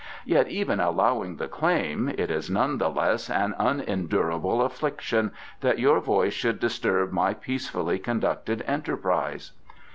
Yet even allowing the claim, it is none the less an unendurable affliction that your voice should disturb my peacefully conducted enterprise."